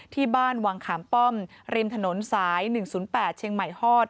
ที่บ้านวังขามป้อมริมถนนสาย๑๐๘เชียงใหม่ฮอด